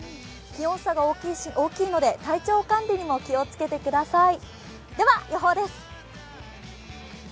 気温差が大きいので、体調管理にも気をつけてください。